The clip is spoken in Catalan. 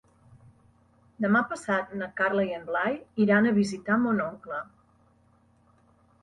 Demà passat na Carla i en Blai iran a visitar mon oncle.